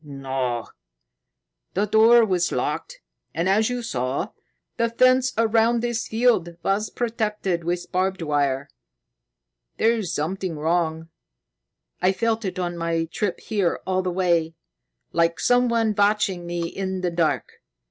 "No! The door was locked, and, as you saw, the fence around this field was protected with barbed wire. There's something wrong. I felt it on my trip here all the way, like someone watching me in the dark.